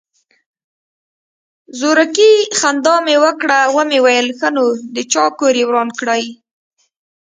زورکي خندا مې وکړه ومې ويل ښه نو د چا کور يې وران کړى.